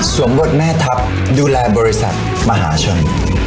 บทแม่ทัพดูแลบริษัทมหาชน